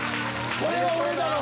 これは俺だろ！